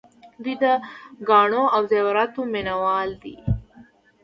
دوی د ګاڼو او زیوراتو مینه وال وو